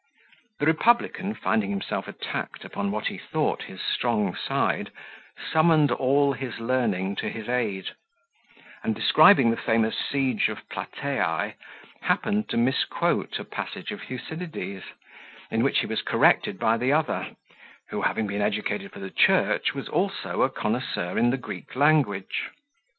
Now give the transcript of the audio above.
The republican, finding himself attacked upon what he thought his strong side, summoned all his learning to his aid; and, describing the famous siege of Plateae, happened to misquote a passage of Thucydides, in which he was corrected by the other, who, having been educated for the church, was also a connoisseur in the Greek language.